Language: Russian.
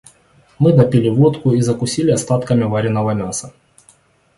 Мы допили водку и закусили остатками вареного мяса.